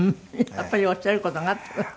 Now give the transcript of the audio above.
やっぱりおっしゃる事があったのね。